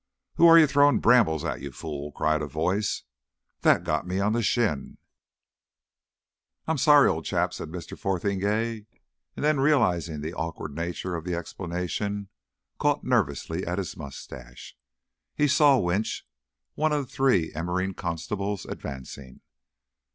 "Who are you throwing brambles at, you fool?" cried a voice. "That got me on the shin." "I'm sorry, old chap," said Mr. Fotheringay, and then realising the awkward nature of the explanation, caught nervously at his moustache. He saw Winch, one of the three Immering constables, advancing.